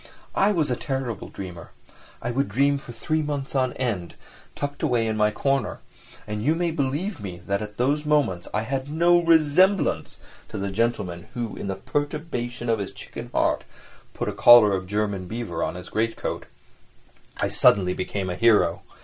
I was a terrible dreamer, I would dream for three months on end, tucked away in my corner, and you may believe me that at those moments I had no resemblance to the gentleman who, in the perturbation of his chicken heart, put a collar of German beaver on his great coat. I suddenly became a hero.